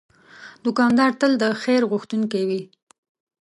دوکاندار تل د خیر غوښتونکی وي.